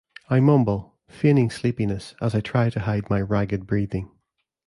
I mumble, feigning sleepiness, as I try to hide my ragged breathing.